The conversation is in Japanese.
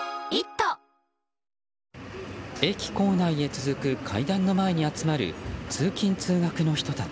駅構内へ続く階段の前に集まる通勤・通学の人たち。